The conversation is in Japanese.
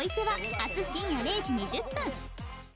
明日深夜０時２０分。